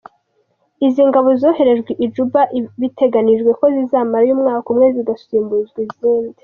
Izi ngabo zoherejwe i Juba bitegenijwe ko zizamarayo umwaka umwe zigasimbuzwa izindi.